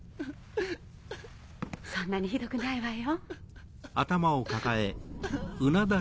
そんなにひどくないわよ。